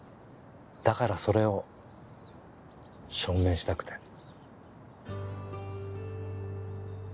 だからそれを証明したくて。